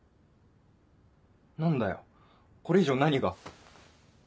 何だよこれ以上何が。